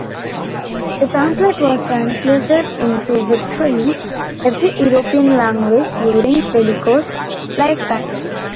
The pamphlet was translated into virtually every European language during Pellico's lifetime.